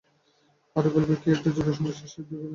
হার্টের ভাল্বের কী একটা জটিল সমস্যায় সে দীর্ঘদিন এই ঘরটিতে ছিল।